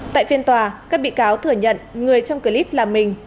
tại phiên tòa các bị cáo thừa nhận người trong clip là mình